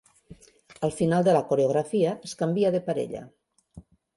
Al final de la coreografia es canvia de parella.